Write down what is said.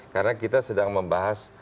karena kita sedang membahas